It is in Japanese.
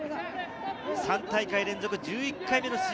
３大会連続１１回目の出場。